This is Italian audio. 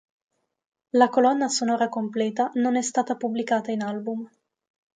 La colonna sonora completa non è stata pubblicata in album.